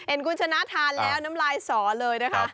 คุณชนะทานแล้วน้ำลายสอเลยนะคะ